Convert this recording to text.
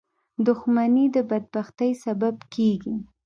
• دښمني د بدبختۍ سبب کېږي.